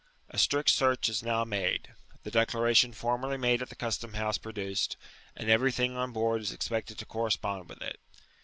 A strict search is now made, the dedaration formerly made at the custom house produced, and every thing on board is expected to correspond with it.